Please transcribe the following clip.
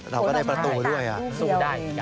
เราก็ได้ประตูด้วยสู้ได้